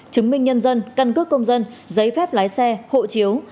chứng minh nhân dân căn cước công dân giấy phép lái xe hộ chiếu